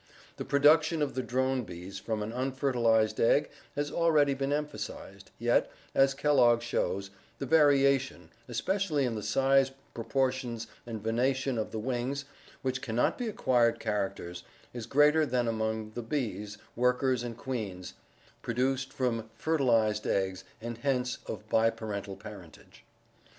The production of the drone bees from an unfertilized egg has already been em phasized, yet, as Kellogg shows, the variation, especially in the size, proportions, and venation of the wings, which can not be ac quired characters, is greater than among the bees, workers, and queens, produced from fertilized eggs and hence of biparental parentage.